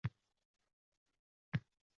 Temur erkalashlariga o’rgangan